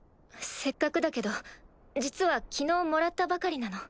せっかくだけど実は昨日もらったばかりなの。